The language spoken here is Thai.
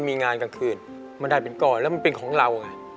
มีงานกลางคืนมันได้เป็นก้อนแล้วมันเป็นของเราไง